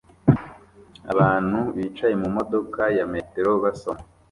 Abantu bicaye mumodoka ya metero basoma